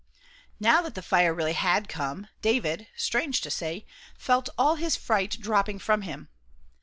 Now that the fire had really come, David, strange to say, felt all his fright dropping from him.